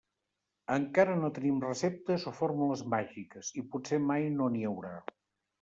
Encara no tenim receptes o fórmules màgiques, i potser mai no n'hi haurà.